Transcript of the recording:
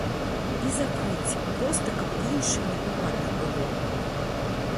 І закрыць, проста каб іншым непавадна было.